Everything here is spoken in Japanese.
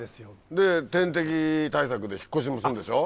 で天敵対策で引っ越しもするんでしょ？